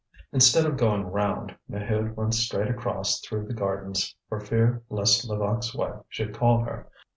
Instead of going round, Maheude went straight across through the gardens, for fear lest Levaque's wife should call her.